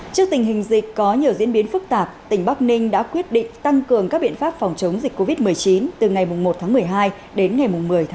trước tình hình dịch có nhiều diễn biến phức tạp tỉnh bắc ninh đã quyết định tăng cường các biện pháp phòng chống dịch covid một mươi chín từ ngày một tháng một mươi hai đến ngày một mươi một